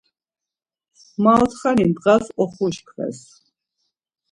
Maotxani ndğas oxuşkves.